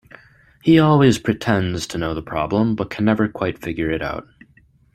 He always pretends to know the problem, but can never quite figure it out.